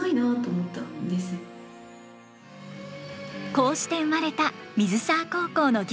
こうして生まれた水沢高校の劇。